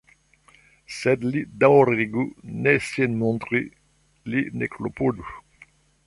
Sed li daŭrigu ne sin montri, li ne klopodu.